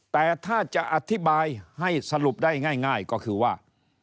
แต่ถ้าจะอธิบายให้สรุปได้ง่ายก็คือว่า